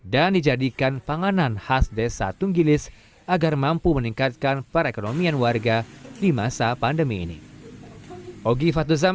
dan dijadikan panganan khas desa tunggilis agar mampu meningkatkan perekonomian warga di masa pandemi ini